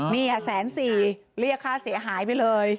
เนี่ย๑๔๐๐๐๐บาทเรียกค่าเสียหายไปเลย